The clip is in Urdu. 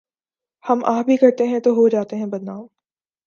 ہم آہ بھی کرتے ہیں تو ہو جاتے ہیں بدنام